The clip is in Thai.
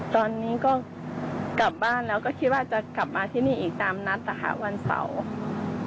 ตอนนี้ก็กลับบ้านแล้วก็คิดว่าจะกลับมาที่นี่อีกตามนัดนะคะวันเสาร์